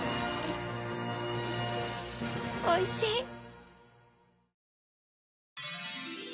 おいしい